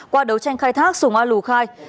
qua đấu tranh khai thác sùng a lù khai